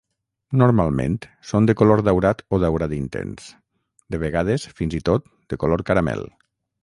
Normalment són de color daurat o daurat intens, de vegades fins i tot de color caramel.